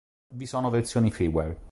Vi sono versioni freeware.